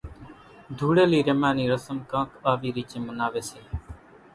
ڌوڙِيلي رميا نِي رسم ڪانڪ آوي ريچين مناوون سي۔